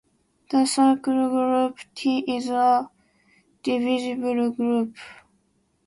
The circle group T is a divisible group.